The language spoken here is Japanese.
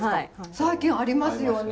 最近ありますよね。